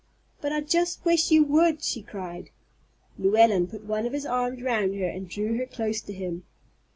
"But I just wish you would!" she cried. Llewellyn put one of his arms round her and drew her close to him.